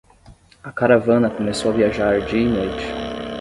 A caravana começou a viajar dia e noite.